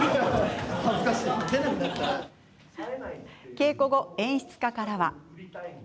稽古後、演出家からは。